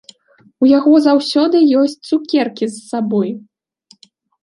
У яго заўсёды ёсць цукеркі з сабой.